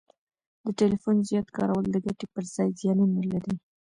د ټلیفون زیات کارول د ګټي پر ځای زیانونه لري